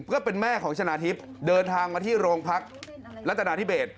ก็เป็นแม่ของชนะทิพย์เดินทางมาที่โรงพักรัฐนาธิเบส